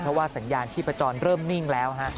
เพราะว่าสัญญาณชีพจรเริ่มนิ่งแล้วฮะ